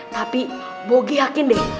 tapi bogi yakin deh